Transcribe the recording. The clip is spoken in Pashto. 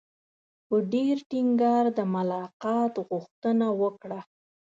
په ډېر ټینګار د ملاقات غوښتنه وکړه.